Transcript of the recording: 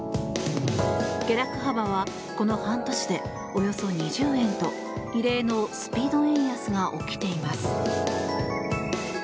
下落幅はこの半年でおよそ２０円と異例のスピード円安が起きています。